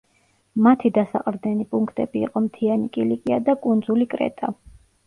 მათი დასაყრდენი პუნქტები იყო მთიანი კილიკია და კუნძული კრეტა.